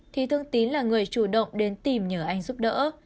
thì thương tín là người chủ động đến tìm nhờ anh giúp đỡ